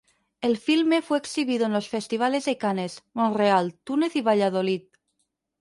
El filme fue exhibido en los Festivales de Cannes, Montreal, Túnez y Valladolid.